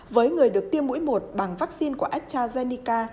với người được tiêm mũi một bằng vaccine của astrazeneca